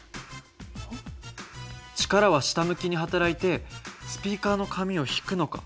力は下向きに働いてスピーカーの紙を引くのか。